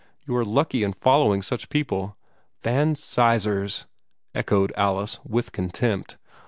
You were lucky in following such people." "Van Sizers!" echoed Alice, with contempt.